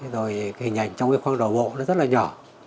rồi hình ảnh trong khuang đổ bộ rất là nhỏ